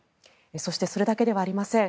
そしてそれだけではありません。